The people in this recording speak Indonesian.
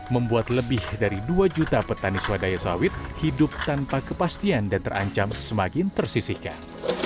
membuat lebih dari dua juta petani swadaya sawit hidup tanpa kepastian dan terancam semakin tersisihkan